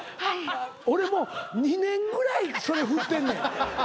俺もう２年ぐらいそれ振ってんねん。